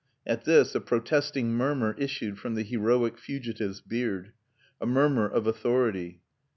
At this, a protesting murmur issued from the "heroic fugitive's" beard. A murmur of authority.